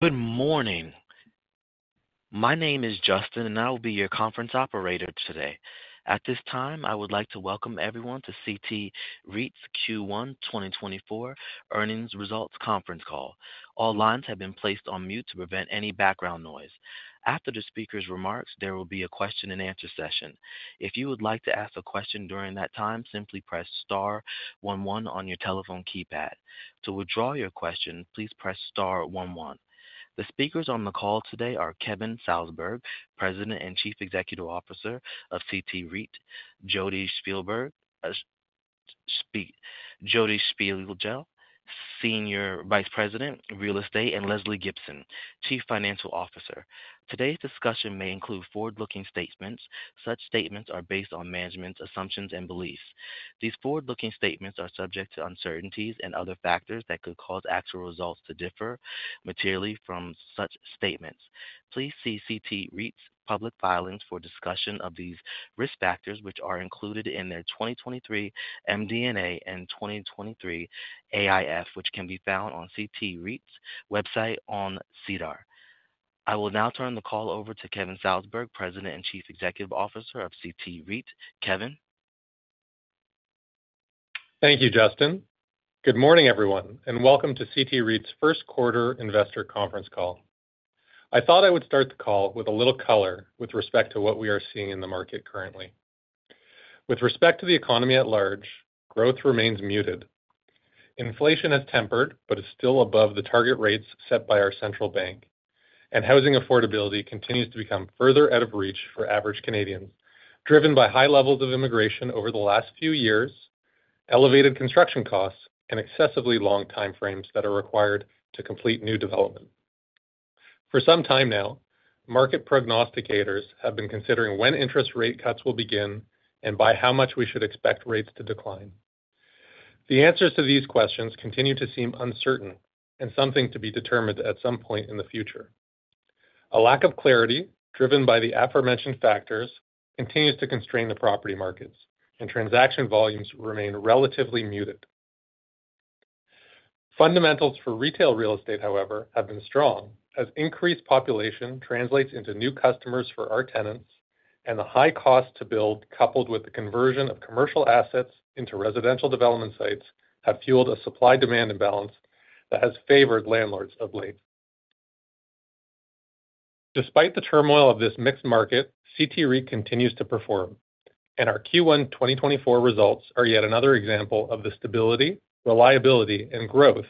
Good morning. My name is Justin, and I will be your conference operator today. At this time, I would like to welcome everyone to CT REIT's Q1 2024 Earnings Results Conference Call. All lines have been placed on mute to prevent any background noise. After the speaker's remarks, there will be a question and answer session. If you would like to ask a question during that time, simply press star one one on your telephone keypad. To withdraw your question, please press star one one. The speakers on the call today are Kevin Salsberg, President and Chief Executive Officer of CT REIT; Jodi Shpigel, Senior Vice President, Real Estate; and Lesley Gibson, Chief Financial Officer. Today's discussion may include forward-looking statements. Such statements are based on management's assumptions and beliefs. These forward-looking statements are subject to uncertainties and other factors that could cause actual results to differ materially from such statements. Please see CT REIT's public filings for discussion of these risk factors, which are included in their 2023 MD&A and 2023 AIF, which can be found on CT REIT's website on SEDAR. I will now turn the call over to Kevin Salsberg, President and Chief Executive Officer of CT REIT. Kevin? Thank you, Justin. Good morning, everyone, and welcome to CT REIT's First Quarter Investor Conference Call. I thought I would start the call with a little color with respect to what we are seeing in the market currently. With respect to the economy at large, growth remains muted. Inflation has tempered but is still above the target rates set by our central bank, and housing affordability continues to become further out of reach for average Canadians, driven by high levels of immigration over the last few years, elevated construction costs, and excessively long time frames that are required to complete new development. For some time now, market prognosticators have been considering when interest rate cuts will begin and by how much we should expect rates to decline. The answers to these questions continue to seem uncertain and something to be determined at some point in the future. A lack of clarity, driven by the aforementioned factors, continues to constrain the property markets, and transaction volumes remain relatively muted. Fundamentals for retail real estate, however, have been strong, as increased population translates into new customers for our tenants, and the high cost to build, coupled with the conversion of commercial assets into residential development sites, have fueled a supply-demand imbalance that has favored landlords of late. Despite the turmoil of this mixed market, CT REIT continues to perform, and our Q1 2024 results are yet another example of the stability, reliability, and growth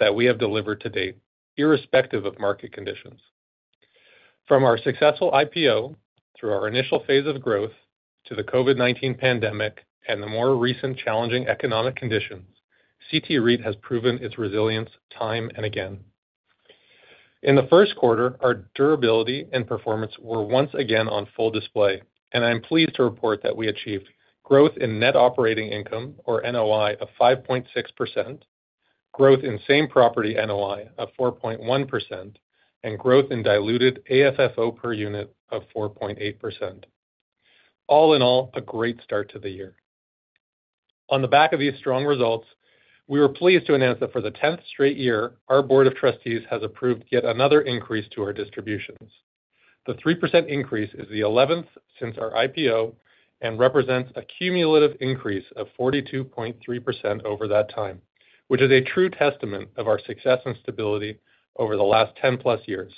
that we have delivered to date, irrespective of market conditions. From our successful IPO, through our initial phase of growth, to the COVID-19 pandemic and the more recent challenging economic conditions, CT REIT has proven its resilience time and again. In the first quarter, our durability and performance were once again on full display, and I'm pleased to report that we achieved growth in net operating income, or NOI, of 5.6%, growth in same property NOI of 4.1%, and growth in diluted AFFO per unit of 4.8%. All in all, a great start to the year. On the back of these strong results, we are pleased to announce that for the 10th straight year, our board of trustees has approved yet another increase to our distributions. The 3% increase is the 11th since our IPO and represents a cumulative increase of 42.3% over that time, which is a true testament of our success and stability over the last 10+ years.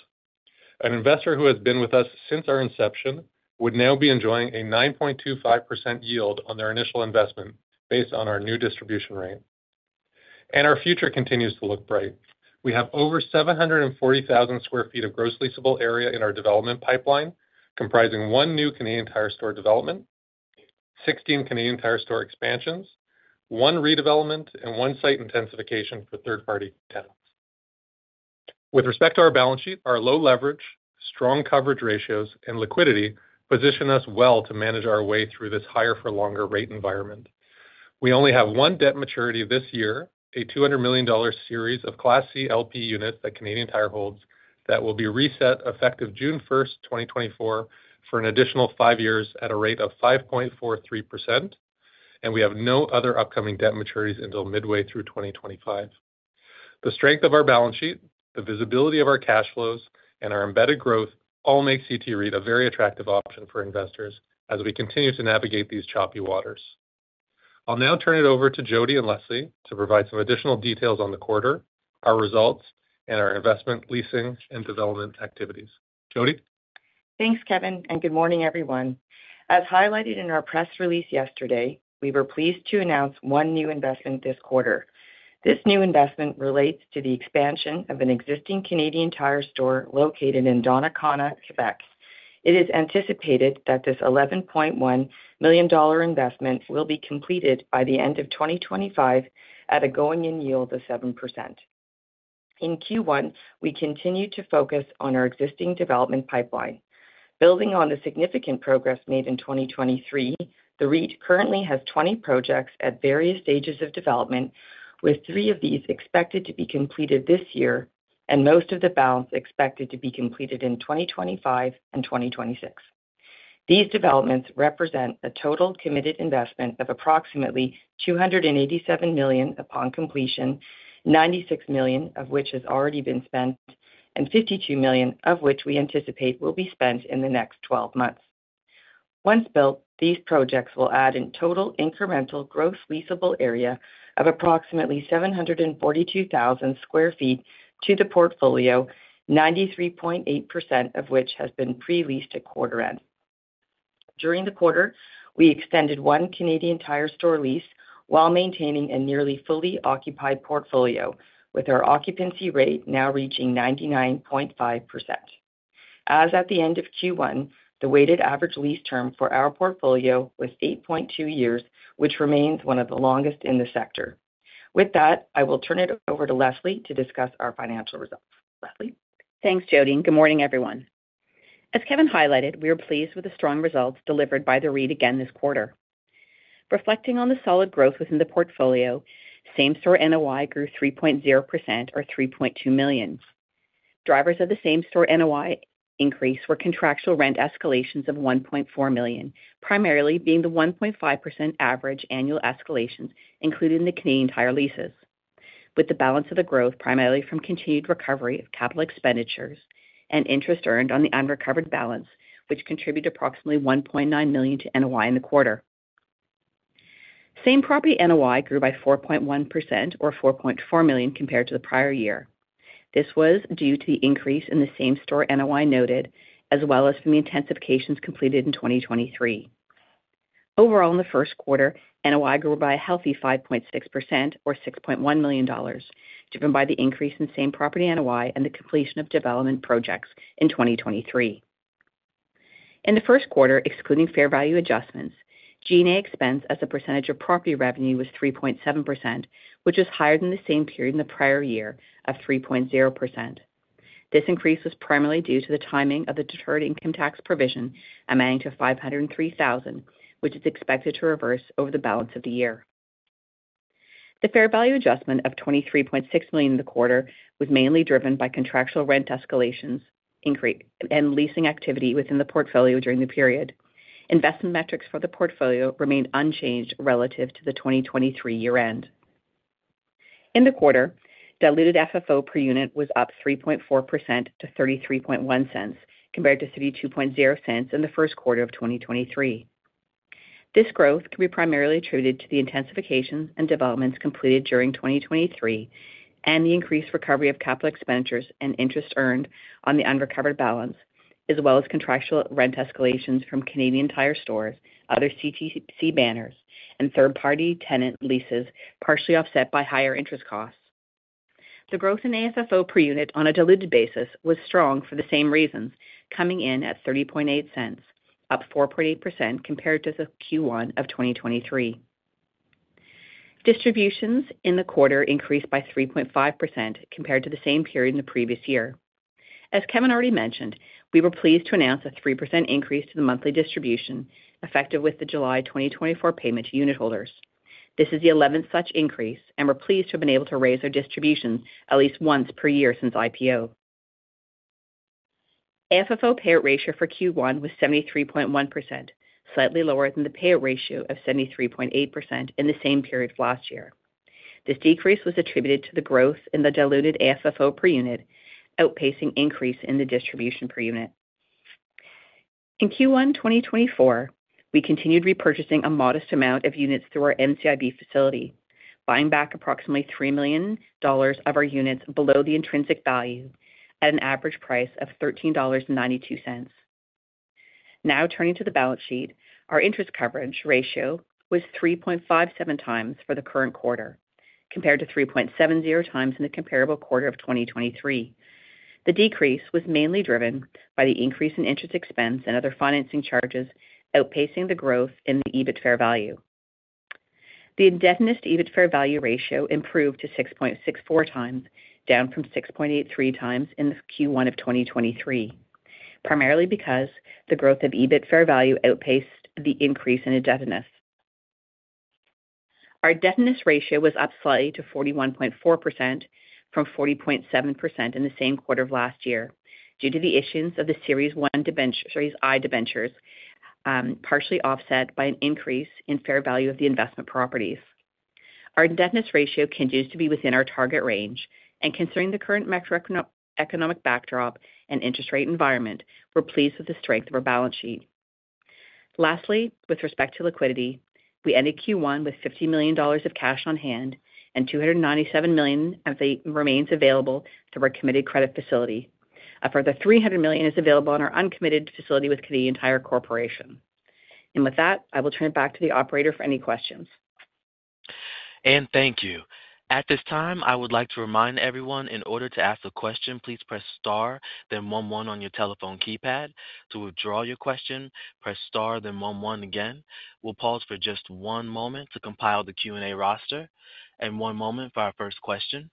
An investor who has been with us since our inception would now be enjoying a 9.25% yield on their initial investment based on our new distribution rate. Our future continues to look bright. We have over 740,000 sq ft of gross leasable area in our development pipeline, comprising one new Canadian Tire store development, 16 Canadian Tire store expansions, one redevelopment, and one site intensification for third-party tenants. With respect to our balance sheet, our low leverage, strong coverage ratios, and liquidity position us well to manage our way through this higher-for-longer rate environment. We only have one debt maturity this year, a 200 million dollar series of Class C LP units that Canadian Tire holds, that will be reset effective June 1st, 2024, for an additional five years at a rate of 5.43%, and we have no other upcoming debt maturities until midway through 2025. The strength of our balance sheet, the visibility of our cash flows, and our embedded growth all make CT REIT a very attractive option for investors as we continue to navigate these choppy waters. I'll now turn it over to Jodi and Lesley to provide some additional details on the quarter, our results, and our investment, leasing, and development activities. Jodi? Thanks, Kevin, and good morning, everyone. As highlighted in our press release yesterday, we were pleased to announce one new investment this quarter. This new investment relates to the expansion of an existing Canadian Tire store located in Donnacona, Quebec. It is anticipated that this 11.1 million dollar investment will be completed by the end of 2025 at a going-in yield of 7%. In Q1, we continued to focus on our existing development pipeline. Building on the significant progress made in 2023, the REIT currently has 20 projects at various stages of development, with three of these expected to be completed this year and most of the balance expected to be completed in 2025 and 2026. These developments represent a total committed investment of approximately 287 million upon completion, 96 million of which has already been spent, and 52 million of which we anticipate will be spent in the next 12 months. Once built, these projects will add in total incremental gross leasable area of approximately 742,000 sq ft to the portfolio, 93.8% of which has been pre-leased at quarter end. During the quarter, we extended one Canadian Tire store lease while maintaining a nearly fully occupied portfolio, with our occupancy rate now reaching 99.5%. As at the end of Q1, the weighted average lease term for our portfolio was 8.2 years, which remains one of the longest in the sector. With that, I will turn it over to Lesley to discuss our financial results. Lesley? Thanks, Jodi, and good morning, everyone. As Kevin highlighted, we are pleased with the strong results delivered by the REIT again this quarter. Reflecting on the solid growth within the portfolio, same-store NOI grew 3.0%, or 3.2 million. Drivers of the same-store NOI increase were contractual rent escalations of 1.4 million, primarily being the 1.5% average annual escalations, including the Canadian Tire leases, with the balance of the growth primarily from continued recovery of capital expenditures and interest earned on the unrecovered balance, which contributed approximately 1.9 million to NOI in the quarter. Same-property NOI grew by 4.1%, or 4.4 million, compared to the prior year. This was due to the increase in the same-store NOI noted, as well as from the intensifications completed in 2023. Overall, in the first quarter, NOI grew by a healthy 5.6%, or 6.1 million dollars, driven by the increase in same-property NOI and the completion of development projects in 2023. In the first quarter, excluding fair value adjustments, G&A expense as a percentage of property revenue was 3.7%, which is higher than the same period in the prior year of 3.0%. This increase was primarily due to the timing of the deferred income tax provision, amounting to 503,000, which is expected to reverse over the balance of the year. The fair value adjustment of 23.6 million in the quarter was mainly driven by contractual rent escalations, increase, and leasing activity within the portfolio during the period. Investment metrics for the portfolio remained unchanged relative to the 2023 year end. In the quarter, diluted FFO per unit was up 3.4% to 0.331, compared to 0.320 in the first quarter of 2023. This growth can be primarily attributed to the intensifications and developments completed during 2023 and the increased recovery of capital expenditures and interest earned on the unrecovered balance, as well as contractual rent escalations from Canadian Tire stores, other CTC banners, and third-party tenant leases, partially offset by higher interest costs. The growth in AFFO per unit on a diluted basis was strong for the same reasons, coming in at 0.308, up 4.8% compared to the Q1 of 2023. Distributions in the quarter increased by 3.5% compared to the same period in the previous year. As Kevin already mentioned, we were pleased to announce a 3% increase to the monthly distribution, effective with the July 2024 payment to unitholders. This is the 11th such increase, and we're pleased to have been able to raise our distribution at least once per year since IPO. AFFO Payout Ratio for Q1 was 73.1%, slightly lower than the payout ratio of 73.8% in the same period last year. This decrease was attributed to the growth in the diluted AFFO per unit, outpacing increase in the distribution per unit. In Q1 2024, we continued repurchasing a modest amount of units through our NCIB facility, buying back approximately 3 million dollars of our units below the intrinsic value at an average price of 13.92 dollars. Now, turning to the balance sheet. Our interest coverage ratio was 3.57x for the current quarter, compared to 3.70x in the comparable quarter of 2023. The decrease was mainly driven by the increase in interest expense and other financing charges, outpacing the growth in the EBIT fair value. The indebtedness to EBIT fair value ratio improved to 6.64x, down from 6.83x in Q1 of 2023, primarily because the growth of EBIT fair value outpaced the increase in indebtedness. Our indebtedness ratio was up slightly to 41.4% from 40.7% in the same quarter of last year, due to the issuance of the Series I Debentures, partially offset by an increase in fair value of the investment properties. Our indebtedness ratio continues to be within our target range, and considering the current macroeconomic backdrop and interest rate environment, we're pleased with the strength of our balance sheet. Lastly, with respect to liquidity, we ended Q1 with 50 million dollars of cash on hand and 297 million that remains available through our committed credit facility. A further 300 million is available on our uncommitted facility with Canadian Tire Corporation. With that, I will turn it back to the operator for any questions. And thank you. At this time, I would like to remind everyone, in order to ask a question, please press star, then one, one on your telephone keypad. To withdraw your question, press star, then one, one again. We'll pause for just one moment to compile the Q&A roster and one moment for our first question.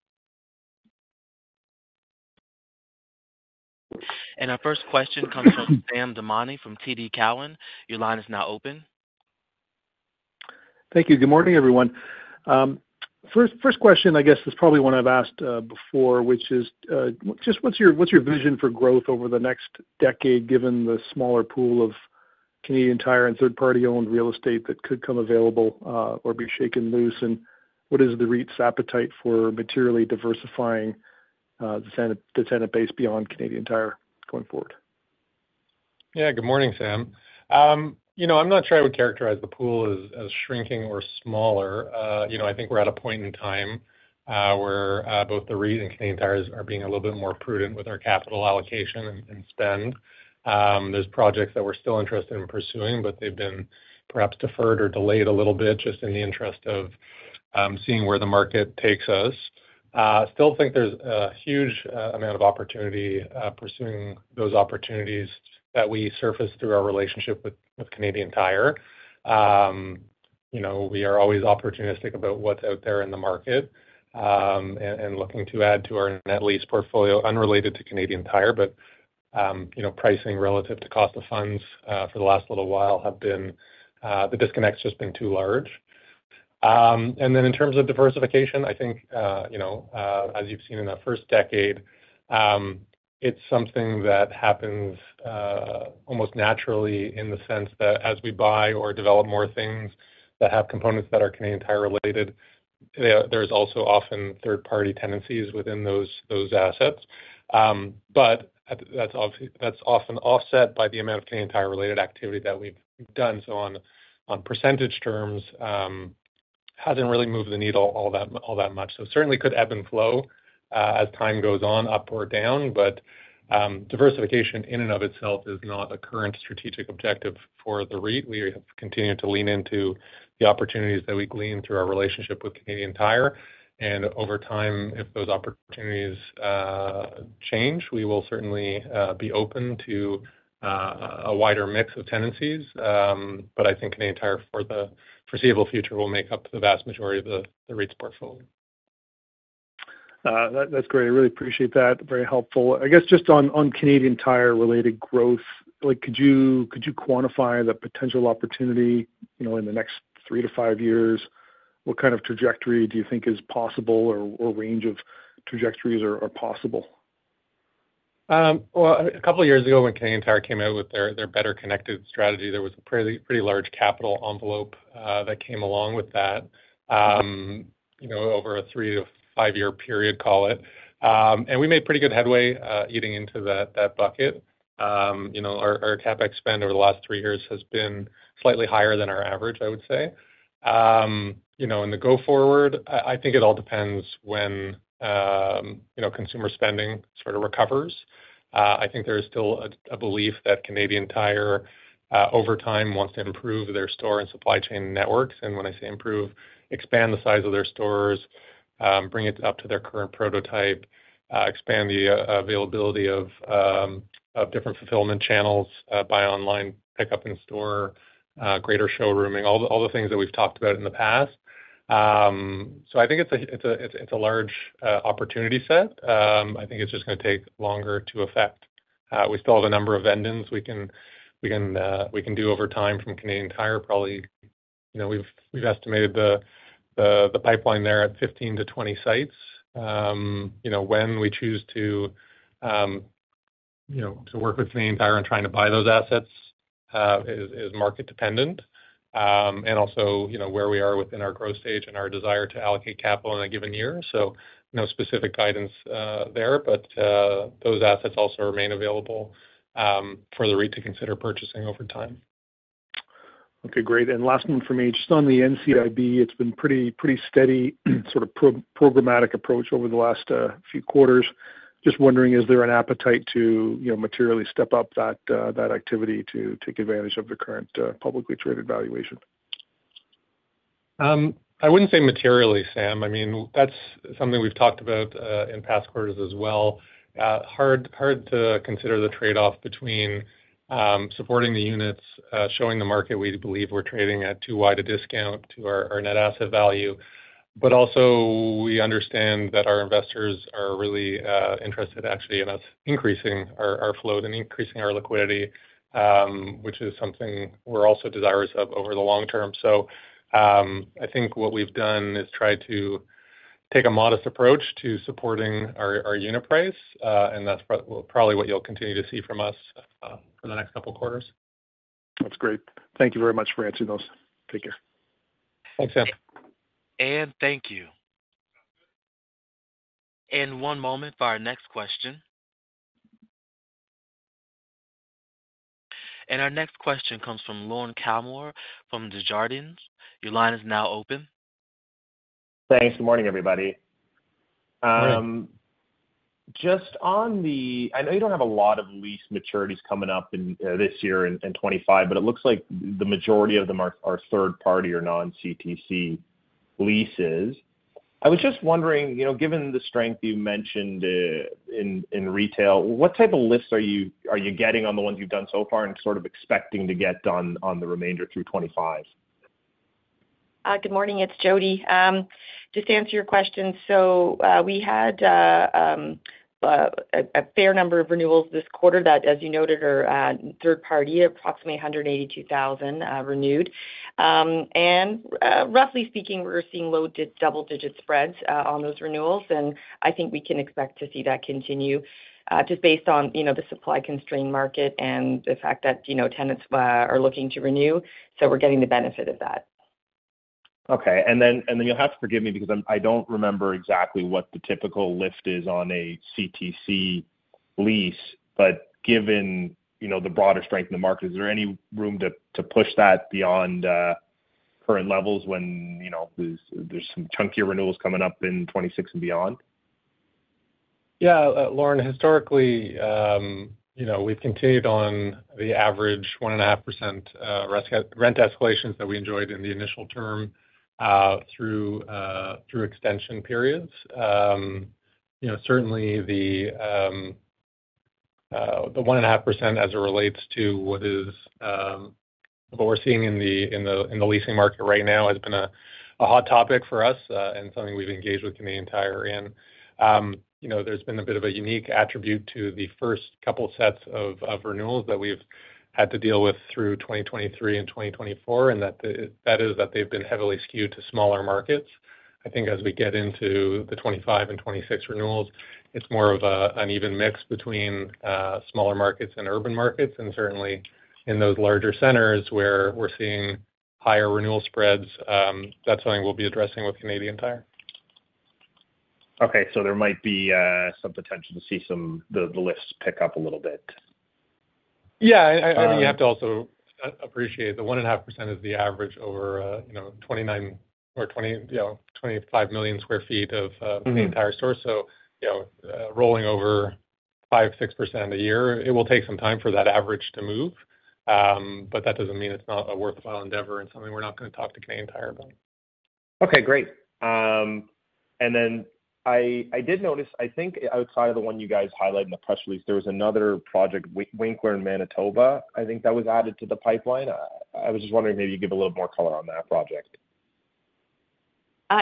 And our first question comes from Sam Damiani from TD Cowen. Your line is now open. Thank you. Good morning, everyone. First question, I guess, is probably one I've asked before, which is just what's your vision for growth over the next decade, given the smaller pool of Canadian Tire and third party-owned real estate that could come available or be shaken loose? And what is the REIT's appetite for materially diversifying the tenant base beyond Canadian Tire going forward? Yeah, good morning, Sam. You know, I'm not sure I would characterize the pool as shrinking or smaller. You know, I think we're at a point in time where both the REIT and Canadian Tire are being a little bit more prudent with our capital allocation and spend. There's projects that we're still interested in pursuing, but they've been perhaps deferred or delayed a little bit, just in the interest of seeing where the market takes us. Still think there's a huge amount of opportunity pursuing those opportunities that we surface through our relationship with Canadian Tire. You know, we are always opportunistic about what's out there in the market and looking to add to our net lease portfolio, unrelated to Canadian Tire. But, you know, pricing relative to cost of funds, for the last little while have been, the disconnect's just been too large. And then in terms of diversification, I think, you know, as you've seen in the first decade, it's something that happens, almost naturally in the sense that as we buy or develop more things that have components that are Canadian Tire related, there, there's also often third-party tenancies within those, those assets. But that's obviously- that's often offset by the amount of Canadian Tire-related activity that we've done. So on, on percentage terms, hasn't really moved the needle all that, all that much. So certainly could ebb and flow, as time goes on, up or down. But, diversification, in and of itself, is not a current strategic objective for the REIT. We have continued to lean into the opportunities that we glean through our relationship with Canadian Tire, and over time, if those opportunities change, we will certainly be open to a wider mix of tenancies. But I think Canadian Tire, for the foreseeable future, will make up the vast majority of the REIT's portfolio. That's great. I really appreciate that. Very helpful. I guess, just on Canadian Tire-related growth, like, could you quantify the potential opportunity, you know, in the next three to five years? What kind of trajectory do you think is possible or range of trajectories are possible? Well, a couple of years ago, when Canadian Tire came out with their, their Better Connected strategy, there was a pretty, pretty large capital envelope, that came along with that. You know, over a three to five-year period, call it. And we made pretty good headway, eating into that, that bucket. You know, our, our CapEx spend over the last three years has been slightly higher than our average, I would say. You know, in the go forward, I, I think it all depends when, you know, consumer spending sort of recovers. I think there is still a, a belief that Canadian Tire, over time, wants to improve their store and supply chain networks. When I say improve, expand the size of their stores, bring it up to their current prototype, expand the availability of different fulfillment channels by online pickup in store, greater showrooming, all the things that we've talked about in the past. So I think it's a large opportunity set. I think it's just gonna take longer to effect. We still have a number of expansions we can do over time from Canadian Tire, probably. You know, we've estimated the pipeline there at 15 to 20 sites. You know, when we choose to work with Canadian Tire on trying to buy those assets, is market dependent. And also, you know, where we are within our growth stage and our desire to allocate capital in a given year. So no specific guidance, there, but, those assets also remain available, for the REIT to consider purchasing over time. Okay, great. And last one from me, just on the NCIB, it's been pretty, pretty steady, sort of programmatic approach over the last few quarters. Just wondering, is there an appetite to, you know, materially step up that, that activity to take advantage of the current publicly traded valuation? I wouldn't say materially, Sam. I mean, that's something we've talked about in past quarters as well. Hard to consider the trade-off between supporting the units, showing the market we believe we're trading at too wide a discount to our net asset value. But also, we understand that our investors are really interested, actually, in us increasing our flow and increasing our liquidity, which is something we're also desirous of over the long term. So, I think what we've done is tried to take a modest approach to supporting our unit price, and that's, well, probably what you'll continue to see from us for the next couple quarters. That's great. Thank you very much for answering those. Take care. Thanks, Sam. Thank you. One moment for our next question. Our next question comes from Lorne Kalmar from Desjardins. Your line is now open. Thanks. Good morning, everybody. Good morning. Just on the, I know you don't have a lot of lease maturities coming up in this year in 2025, but it looks like the majority of them are third party or non-CTC leases. I was just wondering, you know, given the strength you mentioned in retail, what type of lifts are you getting on the ones you've done so far and sort of expecting to get done on the remainder through 2025? Good morning, it's Jodi. Just to answer your question, so we had a fair number of renewals this quarter that, as you noted, are third party, approximately 182,000 renewed. Roughly speaking, we're seeing low double-digit spreads on those renewals, and I think we can expect to see that continue just based on, you know, the supply-constrained market and the fact that, you know, tenants are looking to renew. So we're getting the benefit of that. Okay. And then you'll have to forgive me because I don't remember exactly what the typical lift is on a CTC lease. But given, you know, the broader strength in the market, is there any room to push that beyond current levels when, you know, there's some chunkier renewals coming up in 2026 and beyond? Yeah, Lorne, historically, you know, we've continued on the average 1.5% rent escalations that we enjoyed in the initial term through extension periods. You know, certainly the 1.5% as it relates to what is what we're seeing in the leasing market right now has been a hot topic for us, and something we've engaged with Canadian Tire in. You know, there's been a bit of a unique attribute to the first couple sets of renewals that we've had to deal with through 2023 and 2024, and that is, that they've been heavily skewed to smaller markets. I think as we get into the 2025 and 2026 renewals, it's more of a, an even mix between, smaller markets and urban markets. Certainly, in those larger centers where we're seeing higher renewal spreads, that's something we'll be addressing with Canadian Tire. Okay, so there might be some potential to see the lifts pick up a little bit? Yeah, I mean, you have to also appreciate the 1.5% is the average over, you know, 29 or 20, you know, 25 million sq ft of- Mm-hmm. Canadian Tire stores. So, you know, rolling over 5%, 6% a year, it will take some time for that average to move. But that doesn't mean it's not a worthwhile endeavor and something we're not gonna talk to Canadian Tire about. Okay, great. And then I did notice, I think outside of the one you guys highlighted in the press release, there was another project, Winkler in Manitoba, I think that was added to the pipeline. I was just wondering if maybe you'd give a little more color on that project.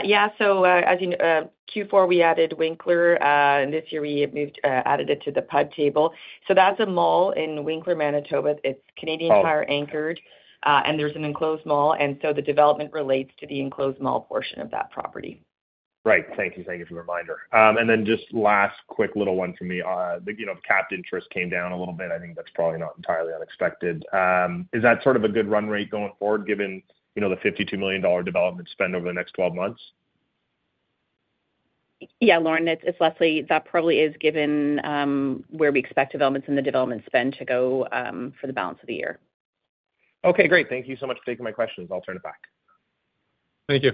Yeah. So, as you know, Q4, we added Winkler, and this year we moved, added it to the PUD table. So that's a mall in Winkler, Manitoba. It's Canadian Tire- Oh. -anchored, and there's an enclosed mall, and so the development relates to the enclosed mall portion of that property. Right. Thank you. Thank you for the reminder. And then just last quick little one for me. The, you know, capped interest came down a little bit. I think that's probably not entirely unexpected. Is that sort of a good run rate going forward, given, you know, the 52 million dollar development spend over the next 12 months? Yeah, Lorne, it's Lesley. That probably is given where we expect developments and the development spend to go for the balance of the year. Okay, great. Thank you so much for taking my questions. I'll turn it back. Thank you.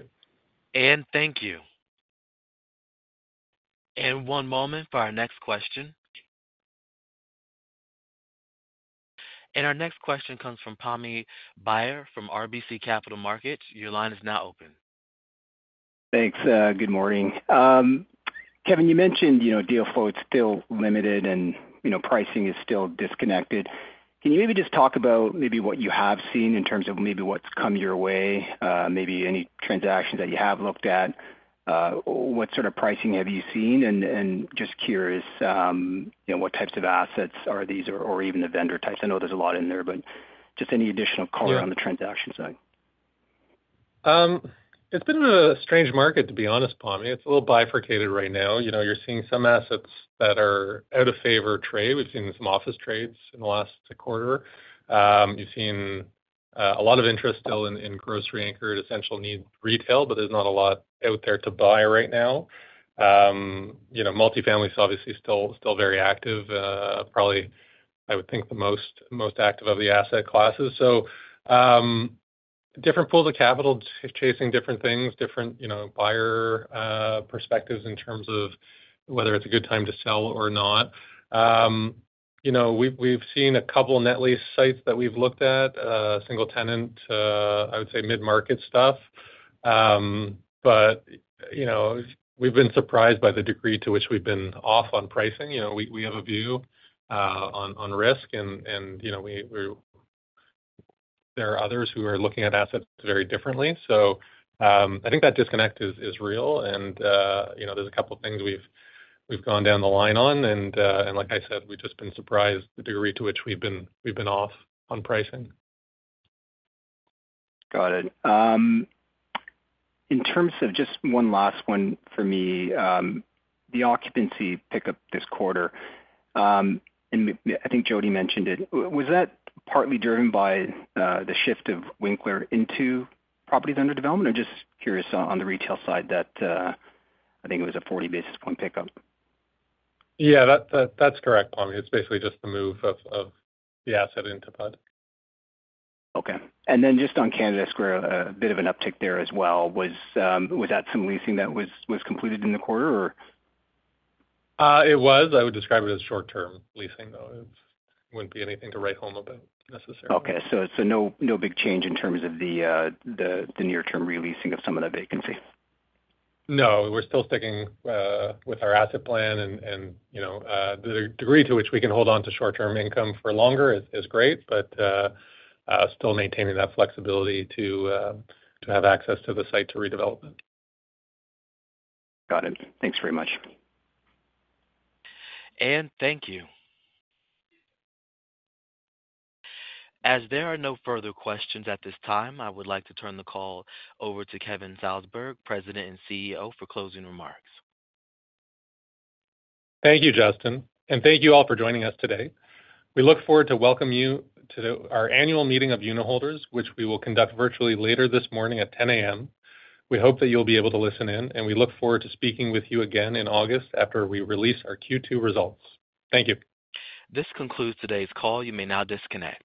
And thank you. And one moment for our next question. And our next question comes from Pammi Bir from RBC Capital Markets. Your line is now open. Thanks. Good morning. Kevin, you mentioned, you know, deal flow is still limited and, you know, pricing is still disconnected. Can you maybe just talk about maybe what you have seen in terms of maybe what's come your way, maybe any transactions that you have looked at? What sort of pricing have you seen? And just curious, you know, what types of assets are these or even the vendor types. I know there's a lot in there, but just any additional color Yeah. on the transaction side. It's been a strange market, to be honest, Pammi. It's a little bifurcated right now. You know, you're seeing some assets that are out-of-favor trade. We've seen some office trades in the last quarter. You've seen a lot of interest still in grocery-anchored, essential need retail, but there's not a lot out there to buy right now. You know, multifamily is obviously still very active, probably, I would think, the most active of the asset classes. So, different pools of capital chasing different things, different, you know, buyer perspectives in terms of whether it's a good time to sell or not. You know, we've seen a couple of net lease sites that we've looked at, single tenant, I would say mid-market stuff. But, you know, we've been surprised by the degree to which we've been off on pricing. You know, we have a view on risk and, you know, we're-- there are others who are looking at assets very differently. So, I think that disconnect is real and, you know, there's a couple things we've gone down the line on and, like I said, we've just been surprised the degree to which we've been off on pricing. Got it. In terms of... just one last one for me, the occupancy pickup this quarter, and I think Jodi mentioned it. Was that partly driven by the shift of Winkler into properties under development? I'm just curious on the retail side that I think it was a 40 basis point pickup. Yeah, that's, that's correct, Pammi. It's basically just the move of, of the asset into PUD. Okay. And then just on Canada Square, a bit of an uptick there as well. Was that some leasing that was completed in the quarter, or? It was. I would describe it as short-term leasing, though. It wouldn't be anything to write home about, necessarily. Okay, so no big change in terms of the near-term re-leasing of some of the vacancy? No, we're still sticking with our asset plan and, you know, the degree to which we can hold onto short-term income for longer is great, but still maintaining that flexibility to have access to the site to redevelop it. Got it. Thanks very much. Thank you. As there are no further questions at this time, I would like to turn the call over to Kevin Salsberg, President and CEO, for closing remarks. Thank you, Justin, and thank you all for joining us today. We look forward to welcome you to our annual meeting of unitholders, which we will conduct virtually later this morning at 10:00 A.M. We hope that you'll be able to listen in, and we look forward to speaking with you again in August after we release our Q2 results. Thank you. This concludes today's call. You may now disconnect.